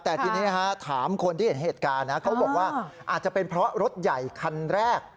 แต่ทีนี้ถามคนที่เห็นเหตุการณ์นะเขาบอกว่าอาจจะเป็นเพราะรถใหญ่คันแรก